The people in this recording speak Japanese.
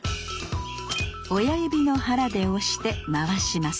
親指の腹で押して回します